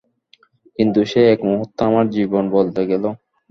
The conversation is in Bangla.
কিন্তু, সেই এক মুহূর্তে আমার জীবন বদলে গেলো।